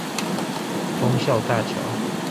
忠孝大橋